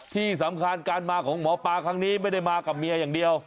ที่สำคัญการมาของหมอปลาครั้งนี้ไม่ได้มากับเมียอย่างเดียว